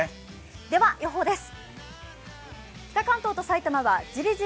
では予報です。